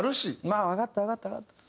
「まあわかったわかったわかった」。